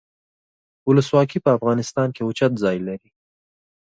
ولسواکي په افغانستان کې اوچت ځای لري.